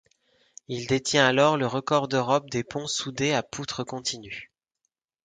Il détient alors le record d'Europe des ponts soudés à poutres continues.